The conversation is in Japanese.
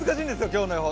今日の予報。